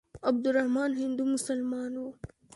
عبدالرحمن هندو مسلمان وو.